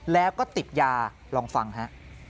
แล้วก็ติดยาลองฟังฮะ